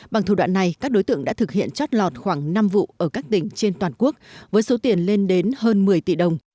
bằng thủ đoạn này các đối tượng đã thực hiện trót lọt khoảng năm vụ ở các tỉnh trên toàn quốc với số tiền lên đến hơn một mươi tỷ đồng